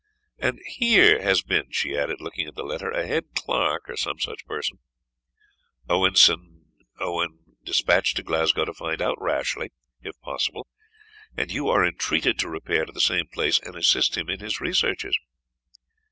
"And here has been," she added, looking at the letter, "a head clerk, or some such person, Owenson Owen despatched to Glasgow, to find out Rashleigh, if possible, and you are entreated to repair to the same place, and assist him in his researches."